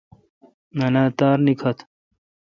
نننالاں تار نیکتہ۔؟